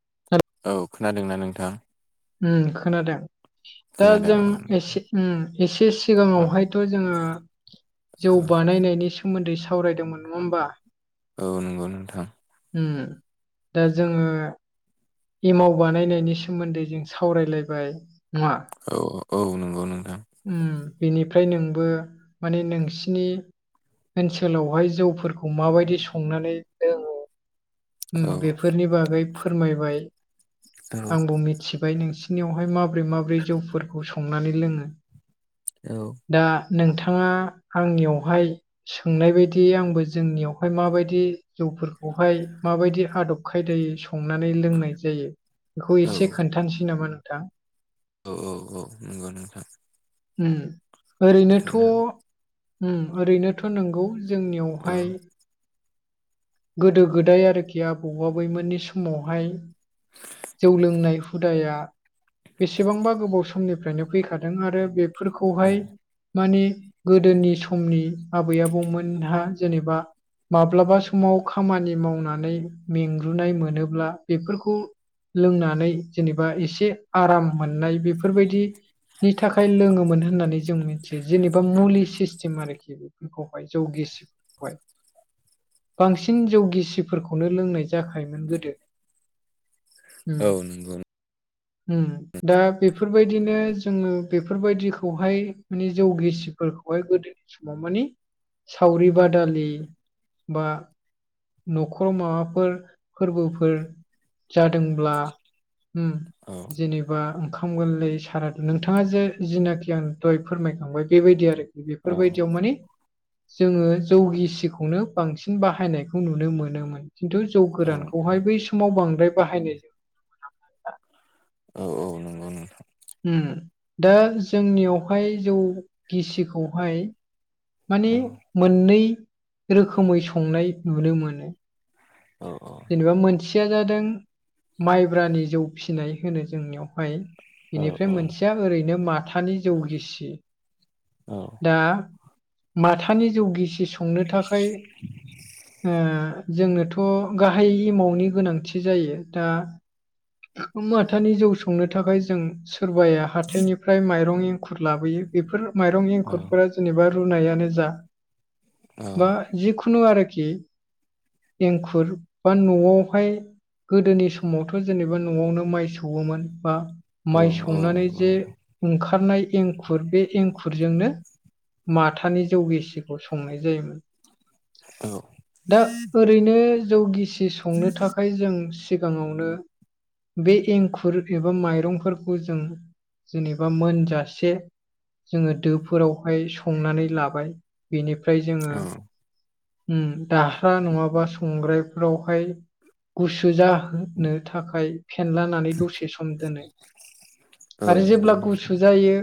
[unintelligible] औ खोनादोंना नोंथां खोनादों दा खोनादों जों औ नोंथां एसे एसे औ सिगाङावहायथ' जोङो औ जौ बानायनायनि सोमोन्दै सावरायदोंमोन नङा होमबा औ नंगौ नोंथां दा जोङो इमाव बानायनायनि सोमोन्दै जों सावरायलायबाय नङा औ औ नंगौ नोंथां बेनिफ्राय नोंबो माने नोंसिनि ओनसोलावहाय जौफोरखौ माबायदि संनानै लोङो औ बेफोरनि बागै फोरमायबाय औ आंबो मिथिबाय नोंसिनियावहाय मा माब्रै माब्रै जौफोरखौ संनानै लोङो औ दा नोंथाङा आंनियावहाय सोंनाय बायदि आंबो जोंनियावहाय माबायदि जौफोरखौहाय माबायदि आदब खायदायै संनानै लोंनाय जायो बेखौ औ एसे खोन्थानोसै नामा नोंथां औ औ औ नंगौ नोंथां ओरैनोथ' थानो ओरैनोथ' नंगौ जोंनियावहाय गोदो गोदाय आरोखि आबौ आबैमोननि समावहाय जौ लोंनाय हुदाया बेसेबांबा गोबाव समनिफ्रायनो फैखादों आरो फोरखौहाय मानिे गोदोनि समनि आबै आबौमोनहा जेनेबा माब्लाबा समाव खामानि मावनानै मेंग्रुनाय मोनोब्ला बेफोरखौ लोंनानै जेनेबा एसे आराम मोननाय बेफोरबायदिनि थाखाय आखाय लोङोमोन होन्नानै जों मिथियो जेनेबा मुलि सिस्टेम आरोखि बेफोरखौहाय जौगेसि बांसिन जौगिसिफोरखौनो लोंनायायो जाखायोमोन गोदो हागोन दा बेफोरबायदिनो जोङो बेफोरबायदिखौहाय माने जौगिसिफोरखौहाय गोदोनि समाव मानिे सावरि बादालि बा न'खर माबाफोर फोरबोफोर जादोंब्ला औ जेनेबा ओंखाम गोरलै सारा नोंथां बिथाङा जे जिनाखि आं दय फोरमायखांबाय बेबायदि आरोखि औ बेफोरबायदियाव मानिे जोङो जौ गिसिखौनो बांसिन बाहायनायखौ नुनो मोनोमोन। खिन्थु जौ औ नंगौ औ गोरानखौहाय औ। औ नंगौ नोंथां ओम दा जोंनियावहाय जौ गिसिखौहाय माने औ मोननै रोखोमै संनाय नुनो मोनो। औ औ जेनेबा मोनसेया जादों माइब्रानि जौ फिसिनाय होनो जोंनियावहाय बेनिफ्राय औ मोनसेया ओरैनो माथानि जौगिसि। दा माथानि जौगिसि संनो थाखाय ओ जोंनोथ' गाहाइयै एमावनि गोनांथि जायो दा माथानि जौ संनो थाखाय जों सोरबाया हाथाइनिफ्राय माइरं एंखुर लाबोयो। बेफोर माइरं एंखुरफोरा जेनेबा रुनायानो जा औ बा जिखुनु आरोखि एंखुर बा न'आवहाय गोदोनि समावथ' जेनेबा न'आवनो माइ सौवोमोन बा औ माइ औ सौनानै नंगौ जे नोंथां ओंखारनाय एंखुर बे एंखुरजोंनो माथानि जौगिसिखौ संनाय जायोमोन। औ दा ओरैनो जौ गिसि संनो थाखाय जों सिगाङावनो बे एंखुर एबा माइरंफोरखौ जों जेनेबा मोनजासे जोङो दोफोरावहाय संनानै लाबाय। बेनिफ्राय जोङो औ ओम दाह्रा नङाबा संग्रायफोरावहाय गुसु जाहोनो थाखाय फेनलानानै दसे सम दोनो। औ आरो नंगौ जेब्ला नोंथां गुसु जायो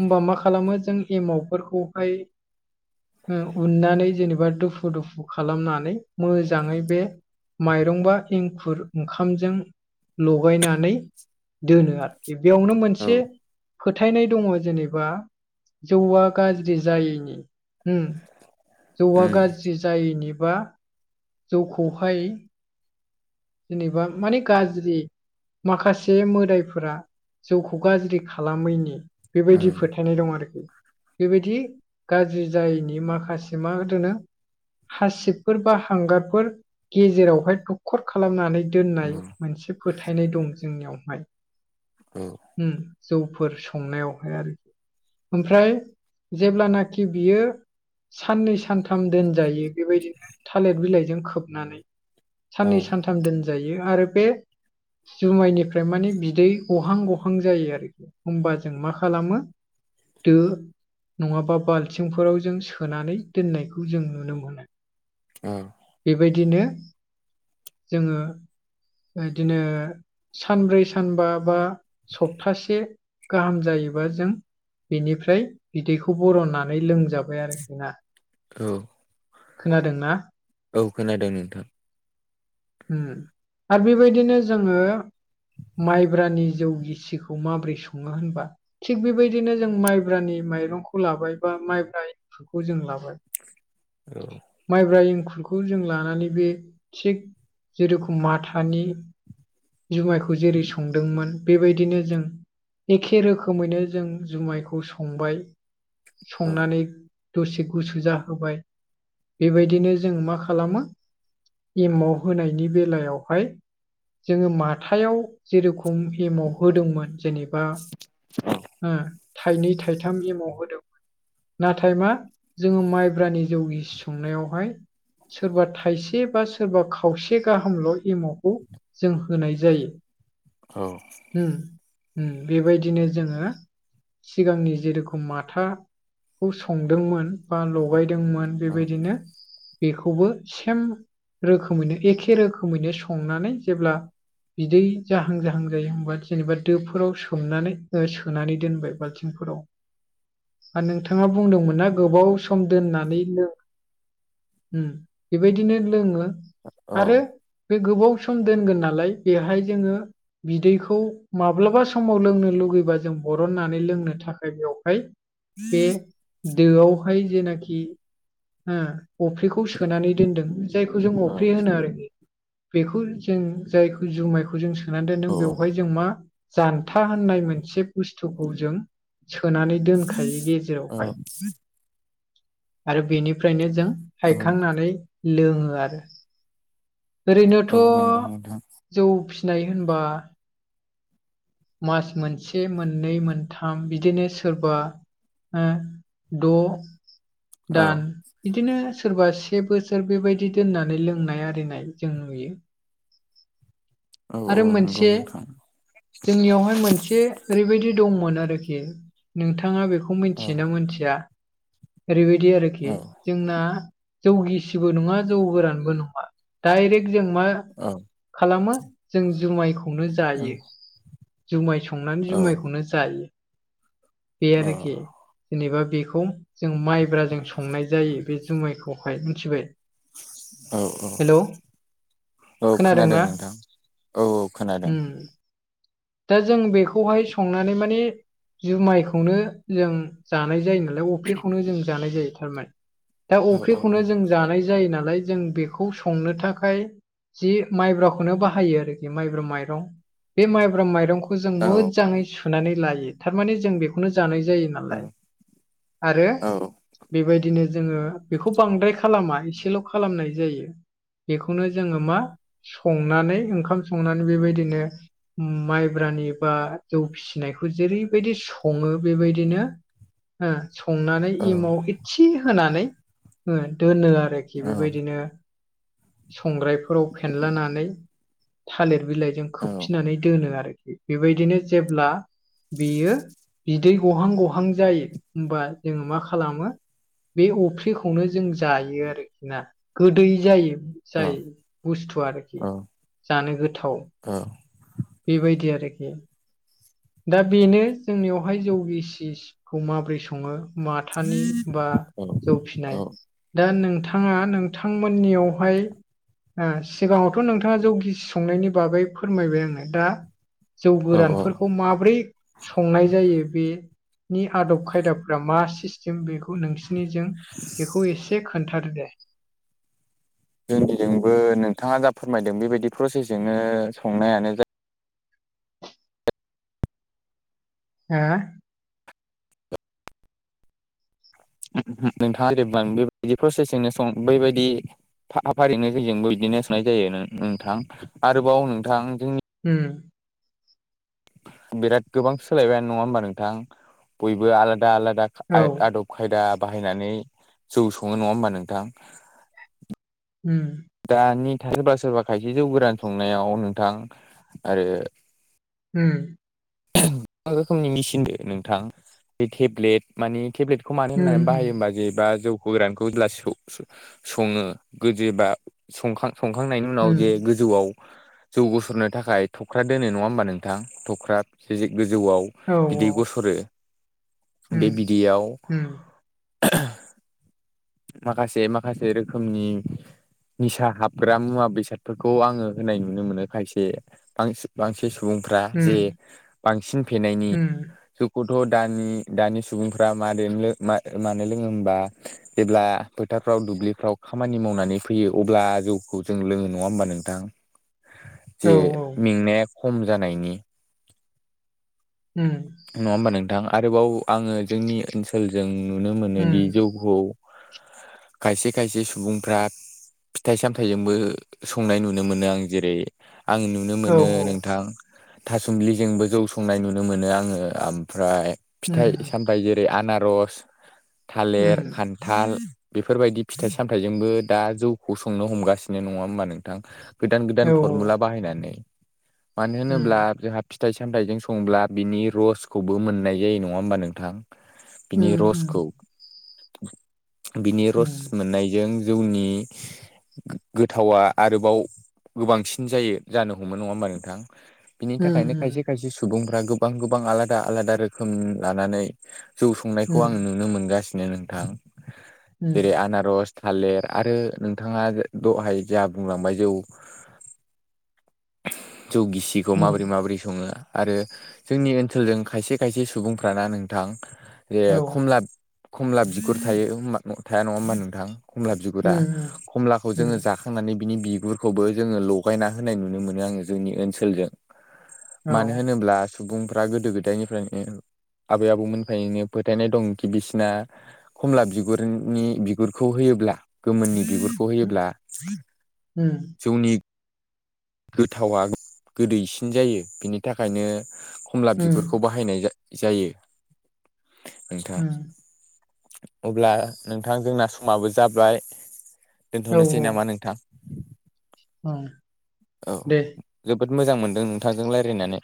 होमबा मा खालामो जों एमावफोरखौहाय ओ उननानै जेनेबा दुफु दुफु खालामनानै मोजाङै बे माइरं बा एंखुर ओंखा ओंखामजों लगायनानै दोनो आरोखि। बेयावनो औ मोनसे फोथायनाय दङ' जेनेबा जौआ गाज्रि जायैनि होम जौआ उम गाज्रि जायैनि बा जौखौहाय जेनेबा माने गाज्रि माखासे मोदायफोरा जौखौ गाज्रि खालामैनि औ बेबायदि फोथाय फोथायनाय दं आरोखि। बेबायदि गाज्रि जायैनि माखासे मा दोनो हासिबफोर बा हांगारफोर गेजेरावहाय दखर खालामनानै दोननाय औ मोनसे फोथायनाय दं जोंनियावहाय। ओम। जौफोर संनायावहाय आरोखि, ओमफ्राय जेब्लानाखि बियो साननै सानथाम दोनजायो बेबायदिनो थालिर बिलाइजों खोबनानै साननै सानथाम दोनजायो आरो बे जुमायनिफ्राय माने बिदै गहां गहां जायो आरोखि। होमबा जों मा खालामो? दो नङाबा बाल्थिंफोराव जों सोनानै दोननायखौ जों नुनो मोनो। औ। बेबायदिनो जोङो इदिनो सानब्रै सानबा बा सप्तासे गाहाम जायोबा जों बिनिफ्राय बिदैखौ बरननानै लोंजाबाय आरोखि ना। औ। खोनादोंना? औ खोनादों नोंथां। ओम आरो बेबायदिनो जोङो माइब्रानि जौ गिसिखौ माबोरै सङो होनबा? थिग बेबायदिनो जों माइब्रानि माइरंखौ लाबाय बा माइब्रा एंखुरखौ जों लाबाय औ माइब्रा एंखुरखौ जों लानानै बे थिग जेरखम माथानि जुमायखौ जेरै संदोंमोन। बेबायदिनो जों एखे रोखोमैनो जों जुमायखौ संबाय। औ संनानै दसे गुसु जाहोबाय बेबायदिनो जों मा खालामो एमाव होनायनि बेलायावहाय जोङो माथायाव जेरोखम एमाव होदोंमोन जेनेबा औ ओं थाइनै थाइथाम एमाव होदोंमोन। नाथाय मा जोङो माइब्रानि जौ गिसि संनायावहाय सोरबा थाइसे बा सोर सोरबा खावसे गाहामल' एमावखौ जों होनाय जायो औ बेबायदिनो जोङो सिगांनि जेरोखम माथाखौ संदोंमोन बा लगायदोंमोन बेबायदिनो बेखौबो सेम रोखोमैनो एखे रोखोमैनो संनानै जेब्ला बिदै जाहां जाहां जायो होनोमबा जेनेबा दोफोराव सोमनानै सोनानै दोनबाय बाल्थिंफोराव [unintelligible] नोंथाङा बुंदोंमोन ना गोबाव सम दोननानै बेबायदिनो लोङो आरो औ बे गोबाव सम दोनगोन नालाय बेहाय जोङो बिदैखौ माब्लाबा समाव लोंनो लुगैबा जों बरननानै लोंनो थाखाय बेवहाय बे [unintelligible] दोआवहाय जेनाखि अफ्रिखौ सोनानै दोनदों जायखौ जों अफे होनो आरोखि बेखौ जों जायखौ जुमायखौ जों सोन द नों बेवहाय जों मा जानथा होननाय मोनसे बुस्थुखौ जों सोनानै दोनखायो औ गेजेरावहाय आरो बेनिफ्रायनो जों औ हायखांनानै लोङो आरो ओरैनोथ' औ नंगौ नोंथां जौ फिसिनाय होनबा मास मोनसे मोननै मोनथाम बिदिनो सोरबा [unintelligible] दा औ बिदिनो सोरबा से बोसोर बेबायदि दोननानै लों नाय आरिनाय जों नुयो औ औ आरो नंगौ मोनसे नोंथां जोंनियावहाय मोनसे एसे ओरैबायदि दंमोन आरोखि नोंथाङा बेखौ औ मिथियोना मोनथिया ओरैबायदि औ आरोखि जोंना जौगिसिबो नङा जौ गोरानबो नङा दाइरेक्ट जों मा औ खालामो जों जुमायखौनो जायो जुमाय संनानै औ जुमायखौनो जायो बे औ आरोखि जेनेबा बेखौ जों माइब्रा जों संनाय जायो बे जुमायखौहाय मिथिबाय औ औ हेलौ औ खोनादों खोनादोंना नोंथां औ औ खोनादों उम दा जों बेखौहाय संनानै माने जुमायखौनो जों जानाय जायो नालाय अफ्रिखौनो जों जानाय जायो थारमाने दा औ औ अफ्रिखौनो जों जानाय जायो नालाय जों बेखौ संनो थाखाय जि माइब्राखौनो बाहायो आरोखि माइब्रा माइरं बे माइब्रा स माइरंखौ जों औ मोजाङै सुनानै लायो थारमाने जों बेखौनो जानाय जायो ना [unintelligible] आरो औ बेबायदिनो जोङो बेखौ बांद्राय खालामा एसेल' खालामनाय जायो बेखौनो जोङो मा संनानै ओंखाम संनानै बेबायदिनो माइब्रानि बा जौ फिसिनायखौ जेरैबायदि सङो बेबायदिनो ओ संनानै औ इमाव इसे होनानै ओ दोनो आरो खि बेबायदिनो संग्रायफोराव फेनलानानै थालिर बिलाइजों खोब नानै दोनो आरोखि। बेबायदिनो जेब्ला बियो बिदै गहां गहां जायो होमबा जोङो मा खालामो बे अफ्रिखौनो जों जायो आरोखि ना गोदै जायो जाय बुस्थु आरोखि जानो गोथाव औ बेबायदि आरोखि दा बेनो जोंनियावहाय जौगिसिखौ माबोरै सङो माथानि बा औ जौफिनाय औ दा नोंथा ङा नोंथांमोननियावहाय ओ सिगाङावथ' नोंथाङा जौ गिसि संनायनि बागै फोरमायबाय आङो दा जौ औ गोरानफो [unintelligible] माब्रै संनाय जायो बेनि आदब खायदाफ मा सिस जों बेखौ नोंसिनि जों बेखौ एसे खोन्थादो दे जोंदिजोंबो नोंथाङा जा फोरमायदों बेबायदि प्रसेस जोंनो संनायानो जा हा? नोंथाङा जेबा बेबायदि प्रसेंनो सं बैबायदि फा-फारिनो जेजोंबो बिदिनो सनाय जायो नो-नोंथां आरोबाव नोंथां जोंनि उम बिराद गोबां सोलायबायानो नङा होमबा नोंथां? बयबो आलादा आलादा औ खाय- आदब खायदा बाहायनानै जौ सङो नङा होमबा नोंथां हुम दानि [unintelligible] सोरबा सोरबा खायसे जौ गोरान संनायाव नोंथां आरो उम [unintelligible] गोबां रोखोमनि मेसिनदो नोंथां बे टेब्लेट माने टेब्लेट बेखौ मानो होननानै उम बाहायोबा जेबा जौ गोरानखौ [unintelligible] सङो गोजोबा सिखां संखांनायनि उनाव उम जे गोजौआव जौ गसरनो थाखाय थख्रा दोनो नङा होमबा नोंथां थख्रा जे गोजौआव औ बिदै औ गसरो। बे उम बिदैयाव उम माखासे माखासे रोखोमनि निसा हाबग्रा मुवा बेसादफोरखौ आङो होनाय नुनो मोनो खायसे बांसि बांसिन सुबुंफ्रा उम जे बांसिन फेनायनि उम जौखौथ' दानि दानि सुबुंफ्रा मादो लो- मानो लोङो होमबा जेब्ला फोथारफ्राव दुब्लिफ्राव खामानि मावनानै फैयो अब्ला जौखौ जों लोङो नङा होमबा नोंथां? औ जे मेंनाया खम जानायनि उम नङा होमबा नोंथां आरोबाव आङो जोंनि ओनसोलजों नुनो उम मोनोदि जौ खौ खायसे खायसे सुबुंफ्रा फिथाइ सामथायाइजोंबो संनाय नुनो मोनो आं जेरै आं नुनो औ मोनो औ नोंथां थासुमलिजोंबो जौ संनाय नुनो मोनो आङो ओमफ्राय फिथाइ उम सामथायाइ जेरै आनारस थालिर उम खान थाल बेफोरबायदि फिथाइ सामथायाइजोंबो दा जौखौ संनो हमगासिनो नङा होमबा नोंथां? गोदान गोदान औ औ फरमुला बाहायनानै मानो उम होनोब्ला जोंहा फिथाइ सामथायाइजों संब्ला बिनि रसखौबो मोननाय जायो नङा होमबा नोंथां? बिनि उम उम रसखौ बिनि रस उम मोननायजों जौनि गो-गोथावा आरोबाव गोबांसिन जायो जानो हमो नङा होमबा नोंथां? बिनि थाखायनो उम खायसे खायसे सुबुंफ्रा गोबां गोबां आलादा आलादा रोखोम लानानै जौ संनायखौ आं उम नुनो मोनगासिनो नोंथां उम जेरै आनारस थालिर आरो नोंथाङा दहाय जा बुंलांबाय जौ जौ गिसिखौ उम माबोरै माबोरै सङो। आरो जोंनि ओनसोलजों खायसे खायसे सुबुंफ्राना नोंथां जे औ खमला खमला बिगुर थायो थाया नङा होमबा नोंथां खमला उम बिगुरा खमलाखौ उम जोङो जा खांनानै बिनि बिगुरखौबो जोङो लगायना होनाय नुनो मोनो आङो जोंनि ओनसोलजों। औ मानो होनोब्ला सुबुंफ्रा गोदो गोदायनिफ्रायनो आबै आबौमोनफ्रायनो फोथायनाय दंखि बिसिना खमला बिगुरनि बिगुरखौ होयोब्ला गोमोननि बिगुर खौ उम होयोब्ला जौनि गोथावा गोदैसिन जायो बिनि थाखायनो खमला उम बिगुरखौ बा हायनाय जा-जायो नोंथां। उम अब्ला नोंथां जोंना समाबो जाबाय दोनथ'नोसै नामा नोंथां? उम। औ। जोबोद मोजां मोनदों नोंथांजों रायलायनानै।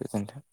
गोजोनथों।